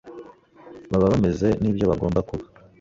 baba bameze nibyo bagomba kuba